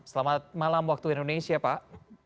selamat malam waktu indonesia pak